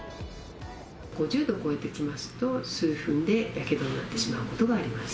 ５０度を超えてきますと、数分でやけどになってしまうことがあります。